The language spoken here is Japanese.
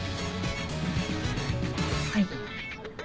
はい。